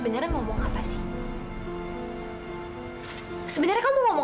tapi itu bukan berarti dia pacar aku